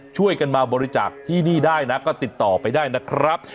ช่วยกันมาบริจาคที่นี่ได้นะก็ติดต่อไปได้นะครับ